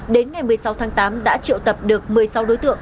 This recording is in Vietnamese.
đến ngày một mươi sáu tháng tám đã triệu tập được một mươi sáu đối tượng